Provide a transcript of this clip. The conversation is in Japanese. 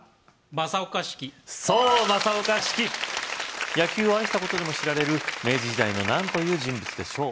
正岡子規野球を愛したことでも知られる明治時代の何という人物でしょう